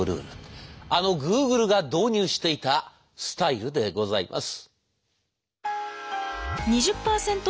あのグーグルが導入していたスタイルでございます。